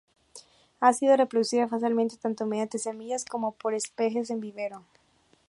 Ha sido reproducido fácilmente tanto mediante semillas como por esquejes en vivero.